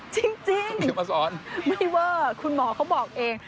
จริงไม่เวอร์คุณหมอเขาบอกเอง